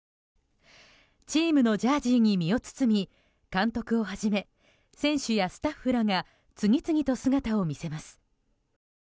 チームのジャージーに身を包む監督をはじめ選手やスタッフらが次々と姿を見せます。